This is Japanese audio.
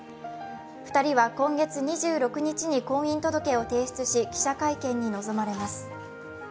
２人は今月２６日に婚姻届を提出し、記者会見に臨まれます。